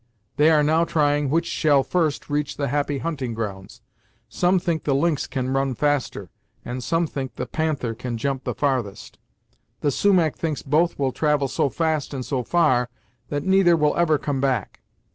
They are now trying which shall first reach the Happy Hunting Grounds. Some think the Lynx can run fastest, and some think the Panther can jump the farthest. The Sumach thinks both will travel so fast and so far that neither will ever come back.